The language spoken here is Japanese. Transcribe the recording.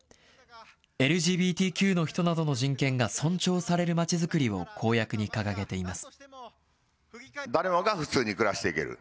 ＬＧＢＴＱの人などの人権が尊重されるまちづくりを公約に掲げています。